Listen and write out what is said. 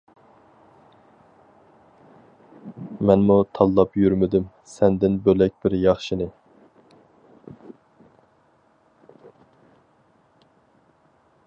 مەنمۇ تاللاپ يۈرمىدىم سەندىن بۆلەك بىر ياخشىنى!